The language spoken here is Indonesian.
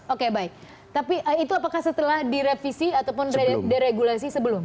oke baik tapi itu apakah setelah direvisi ataupun diregulasi sebelum